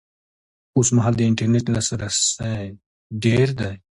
اوس مهال د انټرنېټ لاسرسی ډېر دی